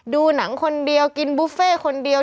ดูหนังคนเดียวกินบุฟเฟ่คนเดียว